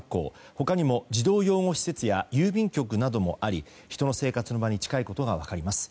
他にも児童養護施設や郵便局などもあり人の生活の場に近いことが分かります。